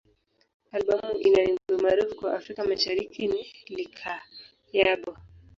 Albamu ina wimbo maarufu kwa Afrika Mashariki ni "Likayabo.